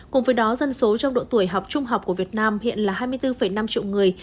cùng với đó dân số trong độ tuổi học trung học của việt nam hiện là hai mươi bốn năm triệu người